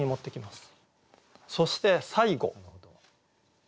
そして最後。